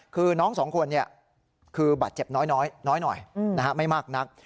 คือน้องสองคนคือบาดเจ็บน้อยหน่อยไม่มากนัก